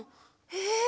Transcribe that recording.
え？